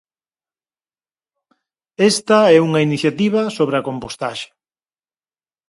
Esta é unha iniciativa sobre a compostaxe.